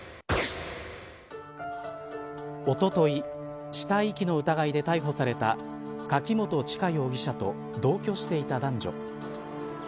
おととい死体遺棄の疑いで逮捕された柿本知香容疑者と同居していた男女。